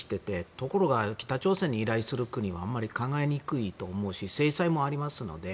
ところが、北朝鮮に依頼する国はあまり考えにくいと思いますし制裁もありますので。